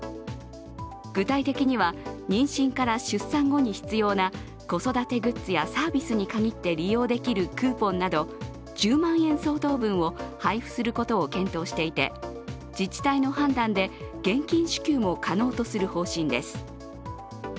具体的には妊娠から出産後に必要な子育てグッズやサービスに利用できるクーポンなど１０万円相当分を配布することを検討していて、自治体の判断で現金支給も可能とする方針です。